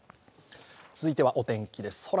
続いてはお天気です。